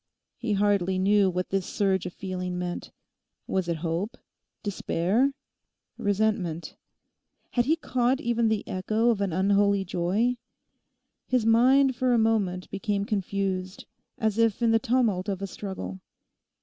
He hardly knew what this surge of feeling meant. Was it hope, despair, resentment; had he caught even the echo of an unholy joy? His mind for a moment became confused as if in the tumult of a struggle.